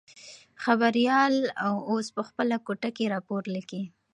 خبریال اوس په خپله کوټه کې راپور لیکي.